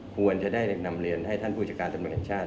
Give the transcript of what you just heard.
ควรจะได้นำเรียนให้ท่านผู้จัดการตำรวจแห่งชาติ